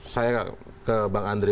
saya ke bang andri